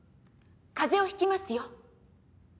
風邪をひきますよ。